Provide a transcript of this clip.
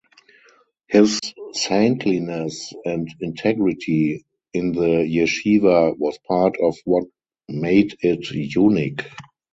His saintliness and integrity in the yeshiva was part of what made it unique.